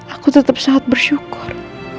aku tetap sangat bersyukur